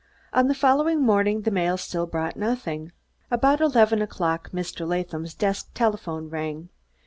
On the following morning the mail still brought nothing. About eleven o'clock Mr. Latham's desk telephone rang.